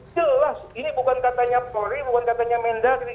jelas ini bukan katanya polri bukan katanya mendagri